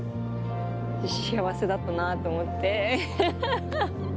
幸せだったなと思ってハハハハ。